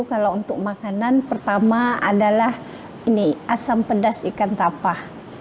kalau untuk makanan pertama adalah ini asam pedas ikan tapah